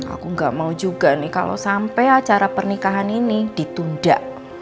aku gak mau juga nih kalau sampai acara pernikahan ini ditunda